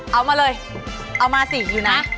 เอามาเลยเอามาสิอยู่นะ